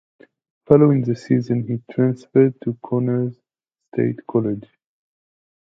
Following the season he transferred to Connors State College.